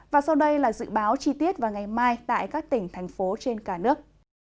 và sau đây là dự báo chi tiết vào ngày mai tại các tỉnh thành phố trên cả nước